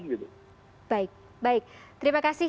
baik baik terima kasih